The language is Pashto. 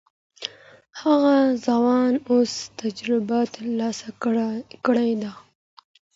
هغه ځوان اوس تجربه ترلاسه کړې ده.